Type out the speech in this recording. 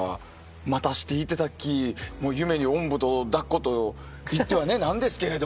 またしていただき夢におんぶに抱っこと言っては何ですけど。